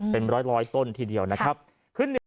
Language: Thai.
เป็นร้อยร้อยต้นทีเดียวนะครับครับ